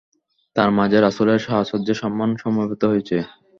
তাঁর মাঝে রাসূলের সাহচর্যের সম্মান সমবেত হয়েছে।